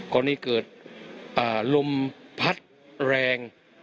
คราวนี้เกิดลมพัดแรง